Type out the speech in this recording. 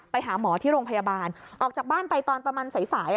ไปหาหมอที่โรงพยาบาลออกจากบ้านไปตอนประมาณสายสาย